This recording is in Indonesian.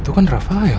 itu kan rafail